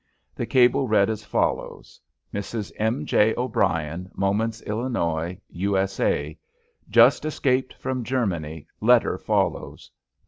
The cable read as follows: Mrs. M. J. O'Brien, Momence, Ill., U. S. A.: Just escaped from Germany. Letter follows.